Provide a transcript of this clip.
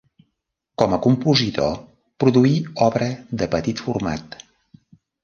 Com a compositor produí obra de petit format.